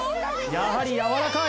やはりやわらかい！